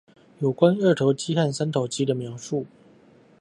有關二頭肌和三頭肌的描述